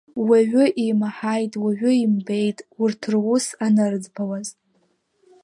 Уаҩы имаҳаит, уаҩы имбеит урҭ рус анырӡбауаз.